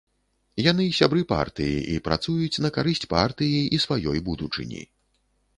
Яны сябры партыі і працуюць на карысць партыі і сваёй будучыні.